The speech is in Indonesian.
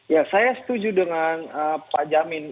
ya saya setuju dengan pak jamin